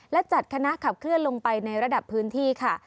และจัดคณะขับเคลื่อนลงไปในระดับพื้นที่ค่ะ